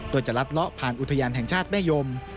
โดยจะลัดเลาะผ่านอุทยานแห่งชาติแม่ยม